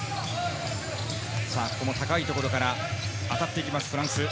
ここも高いところから当たっていくフランス。